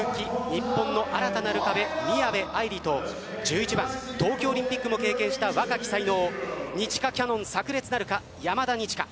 日本の新たなる壁・宮部藍梨と１１番東京オリンピックの経験した若き才能二千華キャノン炸裂なるか山田二千華。